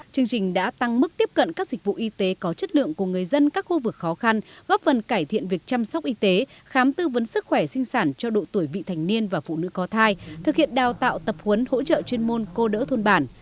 chương trình đã tăng mức tiếp cận các dịch vụ y tế có chất lượng của người dân các khu vực khó khăn góp phần cải thiện việc chăm sóc y tế khám tư vấn sức khỏe sinh sản cho độ tuổi vị thành niên và phụ nữ có thai thực hiện đào tạo tập huấn hỗ trợ chuyên môn cô đỡ thôn bản